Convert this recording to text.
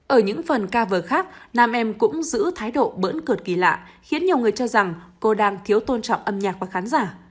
ở những phần ca vờ khác nam em cũng giữ thái độ bỡn cực kỳ lạ khiến nhiều người cho rằng cô đang thiếu tôn trọng âm nhạc và khán giả